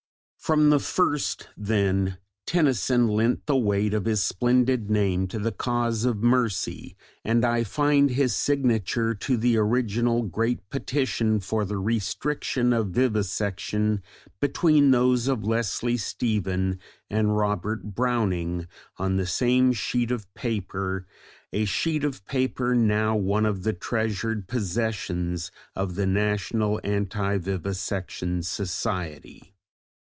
From the first, then, Tennyson lent the weight of his splendid name to the cause of mercy, and I find his signature to the original great petition for the restriction of vivisection between those of Leslie Stephen and Robert Browning on the same sheet of paper a sheet of paper now one of the treasured possessions of the National Anti Vivisection Society.